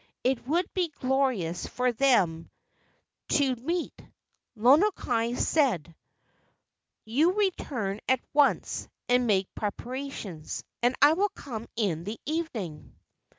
It would be glorious for them to meet." Lono kai said, "You return at once and make preparation, and I will come in the even¬ ing."